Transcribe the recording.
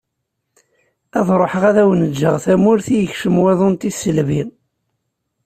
Ad ruḥeγ ad awen-ğğeγ tamurt i yekcem waḍu n tisselbi.